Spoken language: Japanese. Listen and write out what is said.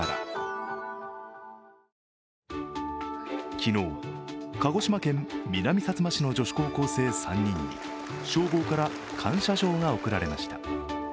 昨日、鹿児島県南さつま市の女子高校生３人に消防から感謝状が贈られました。